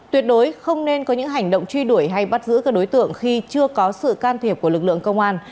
tuyệt đối không nên có những hành động truy đuổi hay bắt giữ các đối tượng khi chưa có sự can thiệp của lực lượng công an